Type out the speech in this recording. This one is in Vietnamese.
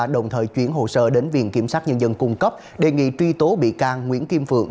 đồng thời chuyển hồ sơ đến viện kiểm sát nhân dân cung cấp đề nghị truy tố bị can nguyễn kim phượng